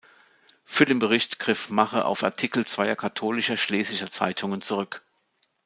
Für den Bericht griff Mache auf Artikel zweier katholischer schlesischer Zeitungen zurück.